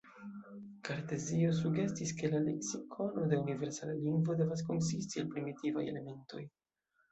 Kartezio sugestis ke la leksikono de universala lingvo devas konsisti el primitivaj elementoj.